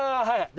はい。